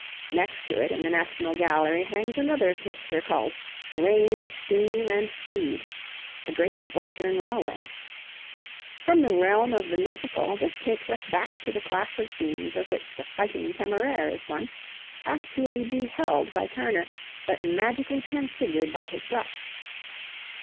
Next to it in the National Gallery hangs another picture called 'Rain, Steam, and Speed' the Great Western Railway. From the realm of the mythical, this takes us back to the class of scenes of which the 'Fighting Temeraire' is one, actually beheld by Turner, but magically transfigured by his brush.